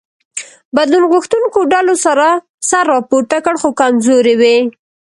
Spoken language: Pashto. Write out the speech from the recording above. بدلون غوښتونکو ډلو سر راپورته کړ خو کمزوري وې.